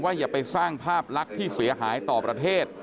อย่าไปสร้างภาพลักษณ์ที่เสียหายต่อประเทศ